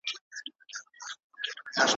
د سمندري څېړنو بلیموت لابراتوار هم ګډون کړی.